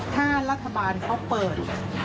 ถ้ารัฐบาลเขาเปิด